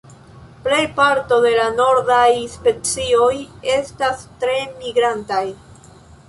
Plej parto de la nordaj specioj estas tre migrantaj.